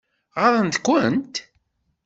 Ɣaḍeɣ-kent?